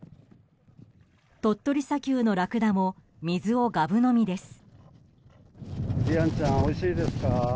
鳥取砂丘のラクダも水をがぶ飲みです。